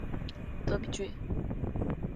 德比郡。